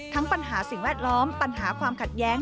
ปัญหาสิ่งแวดล้อมปัญหาความขัดแย้ง